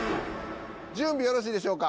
準備よろしいでしょうか。